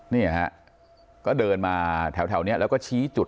นี่ฮะก็เดินมาแถวนี้แล้วก็ชี้จุด